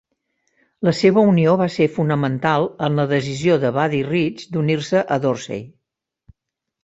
La seva unió va ser fonamental en la decisió de Buddy Rich d'unir-se a Dorsey.